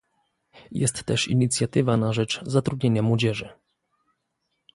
Jest też inicjatywa na rzecz zatrudnienia młodzieży